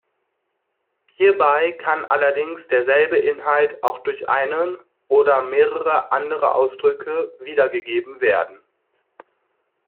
Hierbei kann allerdings derselbe Inhalt auch durch einen oder mehrere andere Ausdrücke wiedergegeben werden.